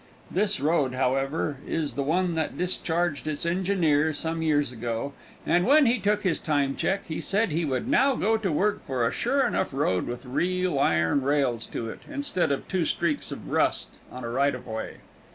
This road, however, is the one that discharged its engineer some years ago, and when he took his time check he said he would now go to work for a sure enough road with real iron rails to it, instead of two streaks of rust on a right of way.